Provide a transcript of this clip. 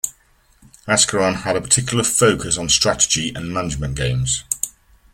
Ascaron had a particular focus on strategy and management games.